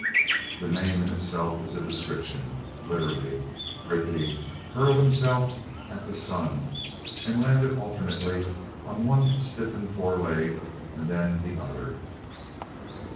The name in itself is a description. Literally Rickety hurled himself at the sun and landed alternately on one stiffened foreleg and then the other.